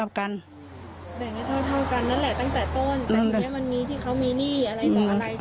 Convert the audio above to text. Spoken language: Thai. แบ่งให้เท่ากันนั่นแหละตั้งแต่ต้นแต่ทีนี้มันมีที่เขามีหนี้อะไรต่ออะไร